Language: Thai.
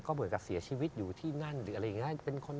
เหมือนกับเสียชีวิตอยู่ที่นั่นหรืออะไรอย่างนี้